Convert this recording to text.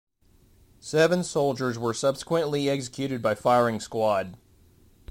Seven soldiers were subsequently executed by firing squad.